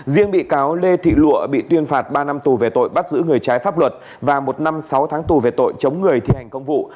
riêng bị cáo lê thị lụa bị tuyên phạt ba năm tù về tội bắt giữ người trái pháp luật và một năm sáu tháng tù về tội chống người thi hành công vụ